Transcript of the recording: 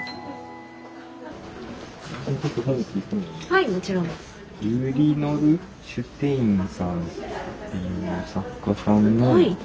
はいもちろんです。